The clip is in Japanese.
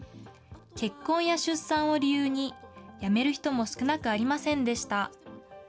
結婚や出産を理由に、辞める人も少なくありませんでした。